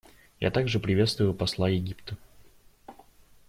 Я также приветствую посла Египта.